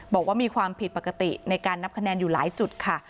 บอกว่ามีความผิดปกติในการนับคะแนนอยู่หลายจุดค่ะ